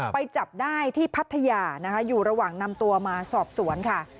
ไปจับได้ที่พัทยานะคะอยู่ระหว่างนำตัวมาสอบสวนค่ะ